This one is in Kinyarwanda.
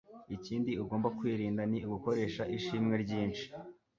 Ikindi ugomba kwirinda ni ugukoresha ishimwe ryinshi.